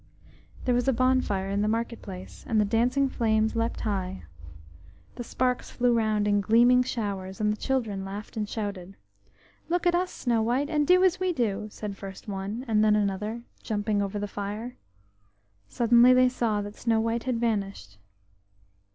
There was a bonfire in the market place, and the dancing flames leapt high. The sparks flew round in gleaming showers, and the children laughed and shouted. "Look at us, Snow white, and do as we do!" said first one and then another, jumping over the fire. Suddenly they saw that Snow white had vanished.